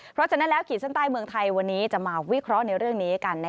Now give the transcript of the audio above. เพราะฉะนั้นแล้วขีดเส้นใต้เมืองไทยวันนี้จะมาวิเคราะห์ในเรื่องนี้กัน